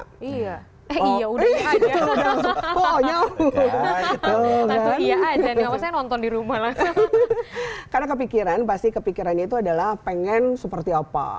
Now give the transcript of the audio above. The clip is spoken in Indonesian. iya eh iya udah iya aja oh nyamuk gitu kan satu iya aja nih makasih nonton di rumah lah karena kepikiran pasti kepikiran itu adalah pengen seperti apa